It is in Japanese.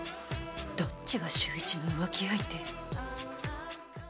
どっちが秀一の浮気相手？